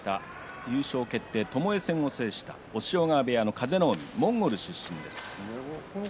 ともえ戦を制した押尾川部屋の風の湖モンゴル出身です。